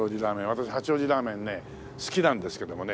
私八王子ラーメンね好きなんですけどもね。